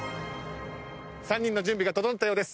３人の準備が整ったようです。